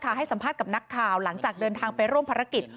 ให้สัมภาษณ์กับนักข่าวหลังจากเดินทางไปร่วมภารกิจ